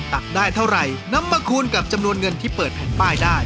ตักได้เท่าไรดังกับจำนวนเงินที่เปิดแผนป้ายได้